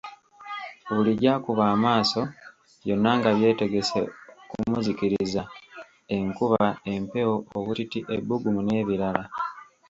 Buli gy'akuba amaaso, byonna nga byetegese kumuzikiriza: Enkuba, empewo, obutiti, ebbugumu, n'ebirala.